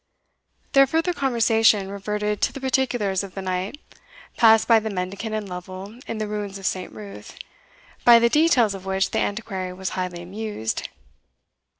Their further conversation reverted to the particulars of the night passed by the mendicant and Lovel in the ruins of St. Ruth; by the details of which the Antiquary was highly amused.